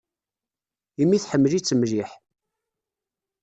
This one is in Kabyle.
Imi tḥemmel-itt mliḥ.